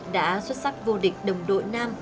đã xuất sắc vô địch đồng đội nam